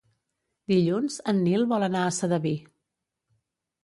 Dilluns en Nil vol anar a Sedaví.